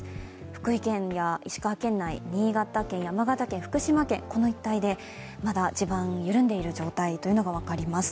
福井県や石川県内、新潟県、山形県、福島県、この一帯でまだ地盤が緩んでいる状態というのが分かります。